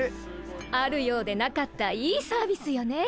あるようでなかったいいサービスよね。